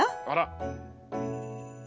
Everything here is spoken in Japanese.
あら！